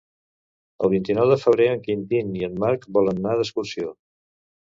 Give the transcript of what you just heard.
El vint-i-nou de febrer en Quintí i en Marc volen anar d'excursió.